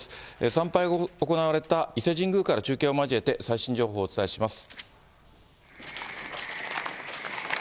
参拝が行われた伊勢神宮から中継を交えて最新情報をお伝えします。